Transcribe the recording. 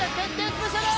スペシャル